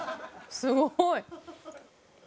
すごい！